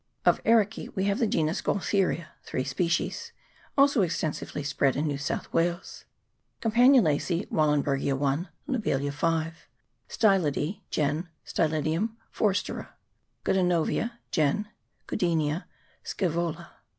Of Ericece we have the genus Gaultheria (3 species), also extensively spread in New South Wales. Campanulacece Wahlenbergia (1), Lobelia (5). Styllideae (gen. Styllidium, Forstera). Goodenovice (gen. Goodenia, Scsevola).